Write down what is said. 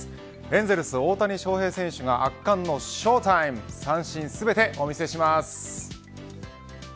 エンゼルス大谷翔平選手が圧巻のショータイム三振全てお見せします。